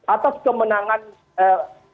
atas kemenangan soekarno hatta